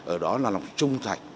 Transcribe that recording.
ở đó là lòng trung thành